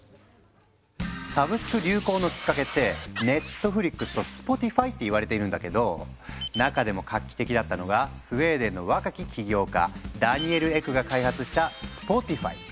サブスク流行のきっかけって「ＮＥＴＦＬＩＸ」と「Ｓｐｏｔｉｆｙ」って言われているんだけど中でも画期的だったのがスウェーデンの若き起業家ダニエル・エクが開発した「スポティファイ」。